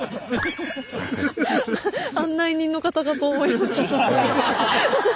案内人の方かと思いました。